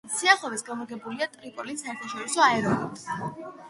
სიახლოვეს განლაგებულია ტრიპოლის საერთაშორისო აეროპორტი.